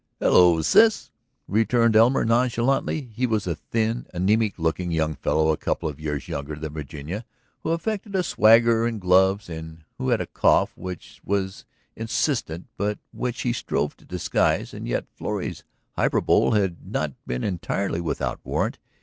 "Hello, Sis," returned Elmer nonchalantly. He was a thin, anaemic looking young fellow a couple of years younger than Virginia who affected a swagger and gloves and who had a cough which was insistent, but which he strove to disguise. And yet Florrie's hyperbole had not been entirely without warrant.